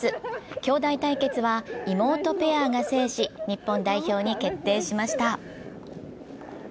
きょうだい対決は妹ペアが制し日本代表に決定しました。